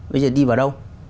bây giờ đi vào đâu